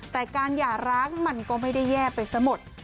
แต่การหย่าร้างมันก็ไม่ได้แย่ไปซะหมด